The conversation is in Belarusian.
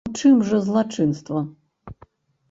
У чым жа злачынства?